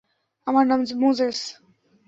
আমার নাম মোজেস।